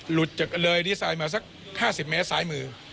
หลุดจากเลยดิสัยมาสัก๕๐เมตรสายมือ